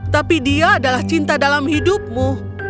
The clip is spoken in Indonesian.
tapi dia adalah cinta dalam hidupmu